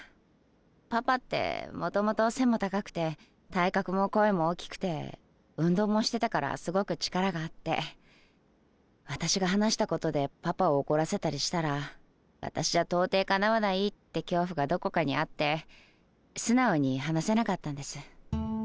パパってもともと背も高くて体格も声も大きくて運動もしてたからすごく力があって私が話したことでパパを怒らせたりしたら私じゃ到底かなわないって恐怖がどこかにあって素直に話せなかったんです。